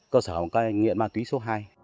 cơ sở cai nghiện ma túy số hai